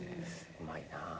うまいな。